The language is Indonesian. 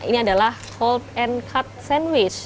ini adalah hold and cut sandwich